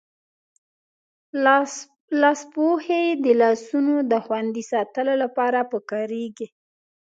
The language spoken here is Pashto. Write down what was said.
لاسپوښي د لاسونو دخوندي ساتلو لپاره پکاریږی.